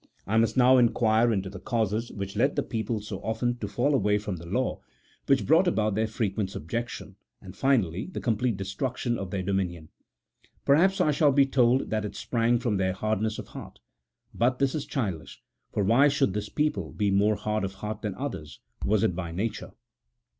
I must now inquire into the causes which led the people so often to fall away from the law, which brought about their frequent subjection, and, finally, the complete destruction of their dominion. Perhaps I shall be told that it sprang from their hardness of heart; but this is childish, for why should this people be more hard of heart than others ; was it by nature